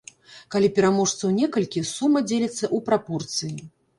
Калі пераможцаў некалькі, сума дзеліцца ў прапорцыі.